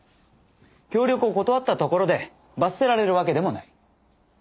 協力を断ったところで罰せられるわけでもない。